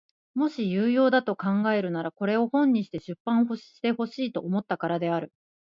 もし有用だと考えるならこれを本にして出版してほしいと思ったからである。